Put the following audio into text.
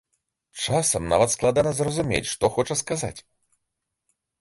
Часам нават складана зразумець, што хоча сказаць.